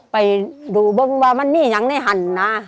ไปดูบ้างว่ามันมีอย่างในหันนะ